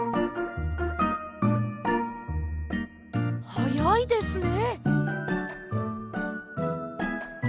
はやいですね。